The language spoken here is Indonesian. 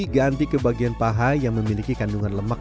diganti ke bagian paha yang memiliki kandungan lemak